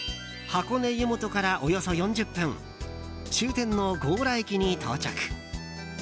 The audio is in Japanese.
箱根湯本からおよそ４０分終点の強羅駅に到着。